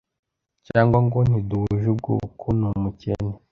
cyangwa ngo ntiduhuje ubwoko, ni umukene